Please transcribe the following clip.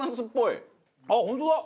あっ本当だ！